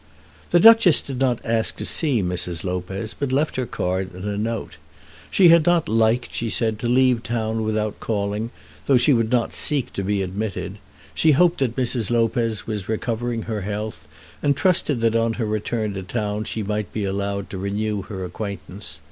The Duchess did not ask to see Mrs. Lopez, but left her card and a note. She had not liked, she said, to leave town without calling, though she would not seek to be admitted. She hoped that Mrs. Lopez was recovering her health, and trusted that on her return to town she might be allowed to renew her acquaintance.